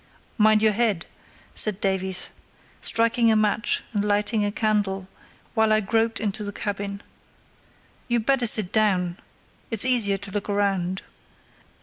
"Mind your head," said Davies, striking a match and lighting a candle, while I groped into the cabin. "You'd better sit down; it's easier to look round."